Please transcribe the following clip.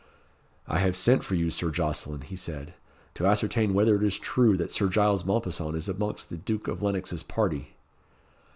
"I have sent for you, Sir Jocelyn," he said, "to ascertain whether it is true that Sir Giles Mompesson is amongst the Duke of Lennox's party."